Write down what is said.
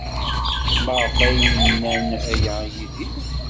Maɣef ay as-nnan aya i Yidir?